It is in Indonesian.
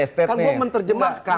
kan gue menerjemahkan